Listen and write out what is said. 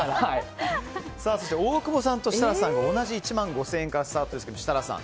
大久保さんと設楽さんが同じ１万５０００円からスタートですけど設楽さん。